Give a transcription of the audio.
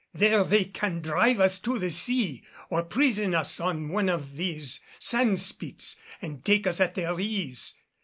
There they can drive us into the sea, or prison us on one of these sand spits, and take us at their ease.